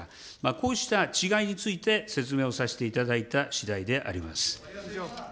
こうした違いについて、説明をさせていただいたしだいであります。